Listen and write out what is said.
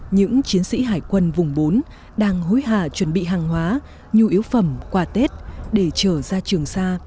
những chiến sĩ hải quân vùng bốn đang hối hả chuẩn bị hàng hóa nhu yếu phẩm quà tết để trở ra trường xa